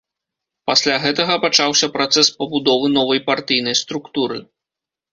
Пасля гэтага пачаўся працэс пабудовы новай партыйнай структуры.